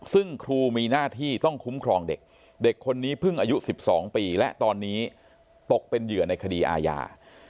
ซึ่งครูมีหน้าที่ต้องคุ้มครองเด็กเด็กคนนี้เพิ่งอายุ๑๒ปีและตอนนี้ตกเป็นเหยื่อในคดีอาญา